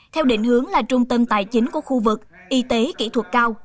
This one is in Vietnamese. theo định hướng là trung tâm tài chính của khu vực y tế kỹ thuật cao